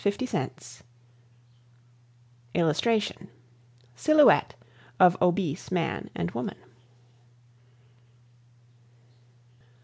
[Illustration: Silhouette of obese man and woman.